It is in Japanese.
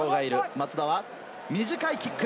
松田は短いキック。